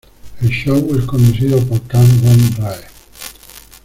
El show es conducido por Kang Won Rae.